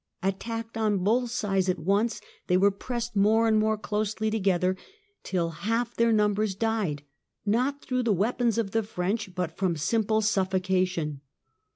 Attacked on both sides at once, they w^ere pressed more and more closely together till half their number died, not through the weapons of the French, but from simple suffocation.